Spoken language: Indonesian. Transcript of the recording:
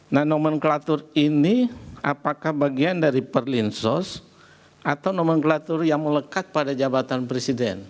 nah nomenklatur ini apakah bagian dari perlinsos atau nomenklatur yang melekat pada jabatan presiden